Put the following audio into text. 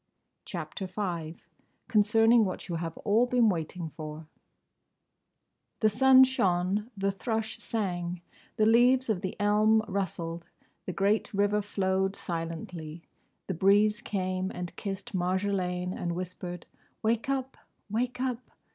*CHAPTER V* *CONCERNING WHAT YOU HAVE ALL BEEN WAITING FOR* [Illustration: Chapter V headpiece] The sun shone; the thrush sang; the leaves of the elm rustled; the great river flowed silently; the breeze came and kissed Marjolaine and whispered "Wake up! Wake up!